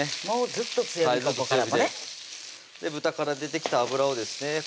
もうずっと強火ここからもね豚から出てきた脂をですね